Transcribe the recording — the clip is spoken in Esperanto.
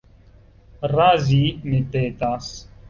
Razi, mi petas.